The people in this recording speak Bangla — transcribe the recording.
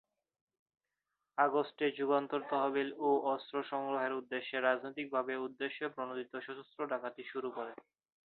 আগস্টে যুগান্তর তহবিল ও অস্ত্র সংগ্রহের উদ্দেশ্যে রাজনৈতিকভাবে উদ্দেশ্যপ্রণোদিত সশস্ত্র ডাকাতি শুরু করে।